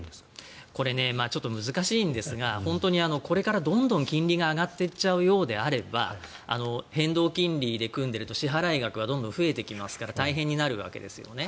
難しいんですが本当にこれからどんどん金利が上がっていっちゃうようであれば変動金利で組んでいると支払額がどんどん増えていくわけですから大変になるわけですよね。